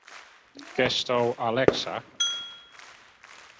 Kinsto Alexa?